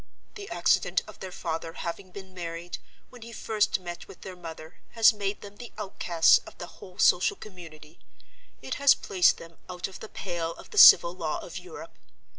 The accident of their father having been married, when he first met with their mother, has made them the outcasts of the whole social community; it has placed them out of the pale of the Civil Law of Europe.